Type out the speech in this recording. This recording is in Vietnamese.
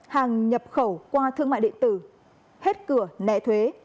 hàng nhập khẩu qua thương mại điện tử hết cửa nợ thuế